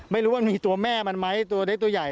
ไม่รู้ว่ามีตัวแม่มันไหมตัวเล็กตัวใหญ่